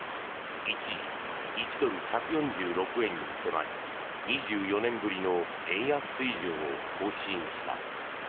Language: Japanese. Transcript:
一時、１ドル＝１４６円に迫り２４年ぶりの円安水準を更新した。